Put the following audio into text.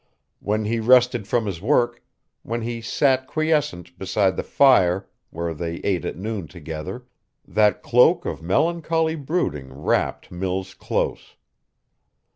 When he rested from his work, when he sat quiescent beside the fire where they ate at noon together, that cloak of melancholy brooding wrapped Mills close.